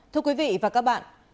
thưa quý vị và các bạn